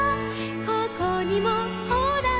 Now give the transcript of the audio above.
「ここにもほら」